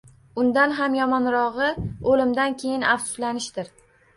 Undan ham yomonrog‘i o‘limdan keyin afsuslanishdir.